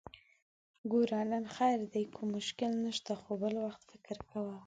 ګوره! نن خير دی، کوم مشکل نشته، خو بل وخت فکر کوه!